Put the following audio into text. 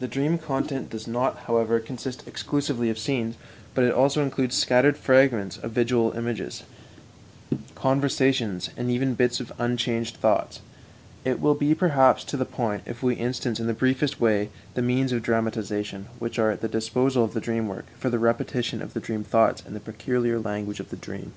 The dream content does not, however, consist exclusively of scenes, but it also includes scattered fragments of visual images, conversations, and even bits of unchanged thoughts. It will be perhaps to the point if we instance in the briefest way the means of dramatization which are at the disposal of the dream work for the repetition of the dream thoughts in the peculiar language of the dream.